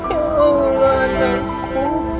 ya allah anakku